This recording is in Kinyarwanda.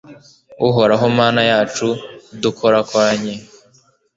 Uhoraho Mana yacu dukorakoranye